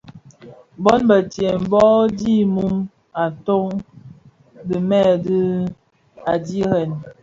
Bon bèn betsem bō dhi mum a toň dhimèè dii a dhirèn.